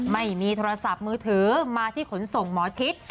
ไม่มีโทรศัพท์มือถือมาที่ขนส่งหมอชิด